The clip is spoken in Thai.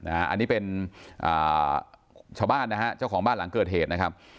อันนี้เป็นชาวบ้านนะฮะเจ้าของบ้านหลังเกิดเหตุนะครับ